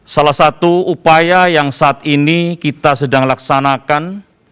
salah satu upaya yang saat ini kita sedang laksanakan